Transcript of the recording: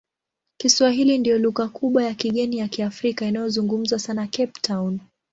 Kiswahili ndiyo lugha kubwa ya kigeni ya Kiafrika inayozungumzwa sana Cape Town.